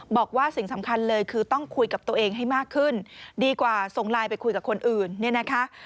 บอกว่าสิ่งสำคัญเลยคือต้องคุยกับตัวเองให้มากขึ้นดีกว่าส่งไลน์ไปคุยกับคนอื่นเนี่ยนะคะ